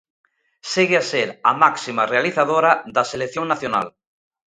Segue a ser a máxima realizadora da selección nacional.